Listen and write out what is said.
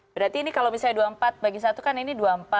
berarti ini kalau misalnya dua puluh empat bagi satu kan ini